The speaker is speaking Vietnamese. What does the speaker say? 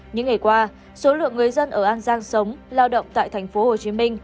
những ngày qua số lượng người dân ở an giang sống lao động tại tp hcm